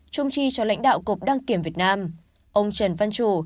chung chi cho lãnh đạo cục đăng kiểm việt nam ông trần văn chủ